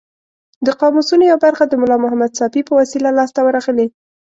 د قاموسونو یوه برخه د ملا محمد ساپي په وسیله لاس ته ورغلې.